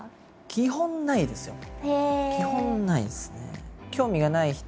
基本ないですね。